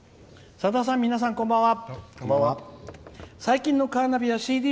「さださん、皆さん、こんばんは。